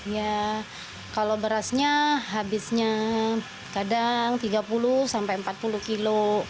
ya kalau berasnya habisnya kadang tiga puluh sampai empat puluh kilo